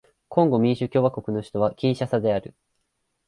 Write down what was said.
コンゴ民主共和国の首都はキンシャサである